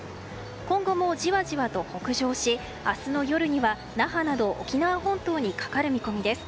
今後もじわじわと北上し明日の夜には那覇など沖縄本島にかかる見込みです。